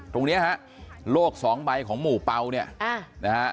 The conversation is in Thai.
ตรงนี้ฮะโลกสองใบของหมู่เปล่าเนี่ยนะฮะ